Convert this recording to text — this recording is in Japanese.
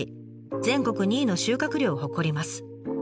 全国２位の収穫量を誇ります。